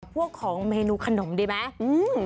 พวกของเมนูขนมดีไหม